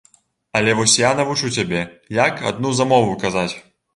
Але вось я навучу цябе, як адну замову казаць.